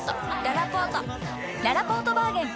ららぽーとバーゲン開催！